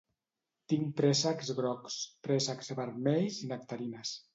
Tinc préssecs grocs, préssecs vermells i nectarines